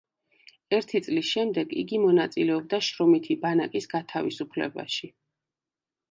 ერთი წლის შემდეგ იგი მონაწილეობდა შრომითი ბანაკის გათავისუფლებაში.